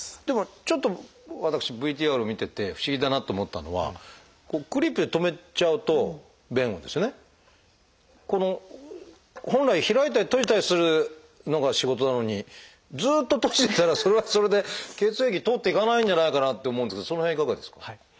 でもちょっと私ＶＴＲを見てて不思議だなと思ったのはクリップで留めちゃうと弁をですね本来開いたり閉じたりするのが仕事なのにずっと閉じてたらそれはそれで血液通っていかないんじゃないかなって思うんですけどその辺いかがですか？